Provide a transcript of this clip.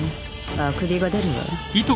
あくびが出るわ。